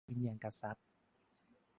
วิญญาณกทรัพย์